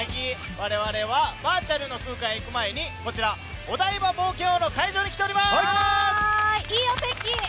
われわれはバーチャルの空間へ行く前にお台場冒険王の会場に来ております。